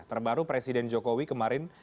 terbaru presiden jokowi kemarin